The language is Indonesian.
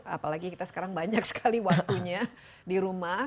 apalagi kita sekarang banyak sekali waktunya di rumah